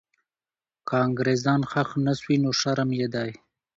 که انګریزان ښخ نه سوي، نو شرم یې دی.